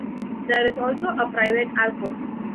There is also a private airport.